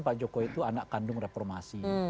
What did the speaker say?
pak jokowi itu anak kandung reformasi